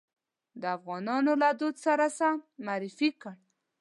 د افغانانو له دود سره سم معرفي کړ.